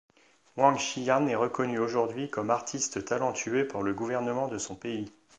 Wang Shiyan est reconnu aujourd'hui comme artiste talentueux par le gouvernement de son pays.